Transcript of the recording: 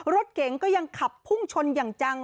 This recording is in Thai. รถเก๋งก็ยังขับพุ่งชนอย่างจัง